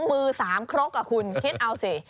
๒มือ๓ครกอะคุณคิดเอาสิ